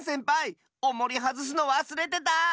おもりはずすのわすれてた！